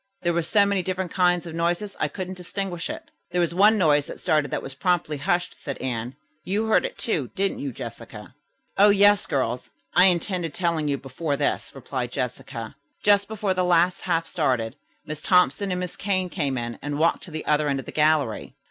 "There were so many different kinds of noises I couldn't distinguish it." "There was one noise that started that was promptly hushed," said Anne. "You heard it, too, didn't you Jessica?" "Oh, yes, girls, I intended telling you before this," replied Jessica. "Just before the last half started, Miss Thompson and Miss Kane came in and walked to the other end of the gallery.